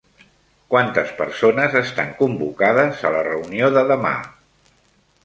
Quantes persones estan convocades a la reunió de demà?